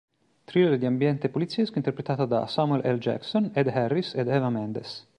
Thriller di ambiente poliziesco interpretato da Samuel L. Jackson, Ed Harris, ed Eva Mendes.